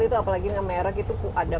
itu apalagi nge merek itu ada